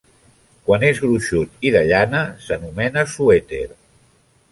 Quan és gruixut i de llana s'anomena suèter.